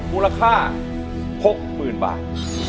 มูลค่าหกหมื่นบาท